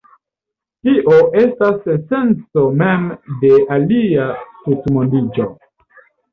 Tio estas la esenco mem de alia tutmondiĝo.